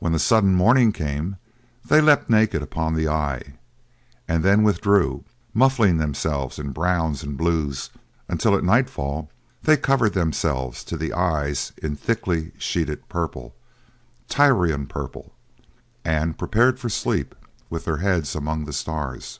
When the sudden morning came they leaped naked upon the eye, and then withdrew, muffling themselves in browns and blues until at nightfall they covered themselves to the eyes in thickly sheeted purple Tyrian purple and prepared for sleep with their heads among the stars.